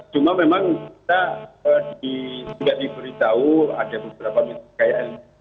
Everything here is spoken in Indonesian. cuma memang kita juga diberitahu ada beberapa misi kayaan